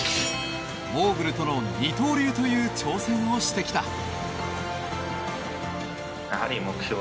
モーグルとの二刀流という挑戦をしてきた。